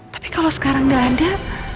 tapi kalau sekarang nggak ada